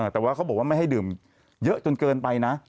แต่ว่าเขาบอกว่าไม่ให้ดื่มเยอะจนเกินไปนะ